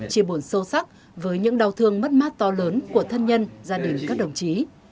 chia buồn sâu sắc với những đau thương mất mát to lớn của thân nhân gia đình các đồng chí